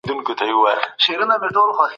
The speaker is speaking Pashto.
په زندانونو کي باید د شکنجې هیڅ نښه شتون ونه لري.